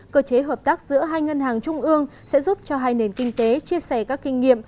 cơ chế hợp tác giữa hai ngân hàng trung ương sẽ giúp cho hai nền kinh tế chia sẻ các kinh nghiệm